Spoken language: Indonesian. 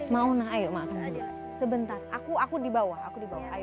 mau maunah ayo ma sebentar aku di bawah aku di bawah ayo